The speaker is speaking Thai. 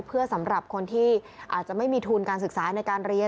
เพื่อสำหรับคนที่อาจจะไม่มีทุนการศึกษาในการเรียน